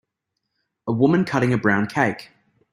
A woman cutting a brown cake.